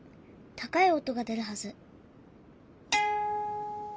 高い音が出るはず。